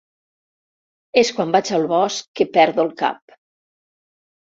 És quan vaig al bosc que perdo el cap.